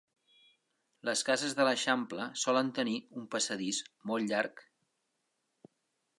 Les cases de l'eixample solen tenir un passadís molt llarg.